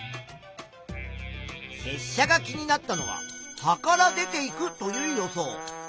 せっしゃが気になったのは葉から出ていくという予想。